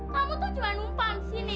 kamu tuh cuma numpang sini